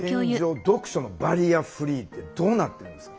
読書のバリアフリーってどうなってるんですか？